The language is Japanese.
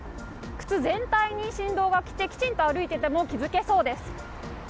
靴全体に振動が来てきちんと歩いていても気づけそうです。